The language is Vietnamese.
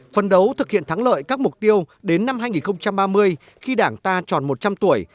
phấn đấu thực hiện thắng lợi các mục tiêu đến năm hai nghìn ba mươi khi đảng ta tròn một trăm linh tuổi